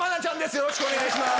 よろしくお願いします。